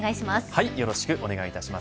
はいよろしくお願いたします。